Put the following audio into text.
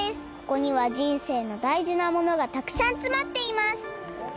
ここにはじんせいのだいじなものがたくさんつまっています！